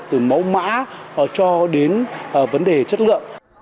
từ máu mã cho đến vấn đề chất lượng